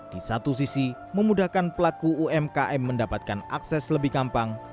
di satu sisi memudahkan pelaku umkm mendapatkan akses lebih gampang